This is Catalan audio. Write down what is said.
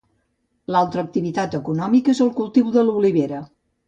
L'altra activitat econòmica és el cultiu de l'olivera.